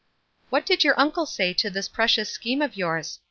" What did your uncle say to this precious scheme of yours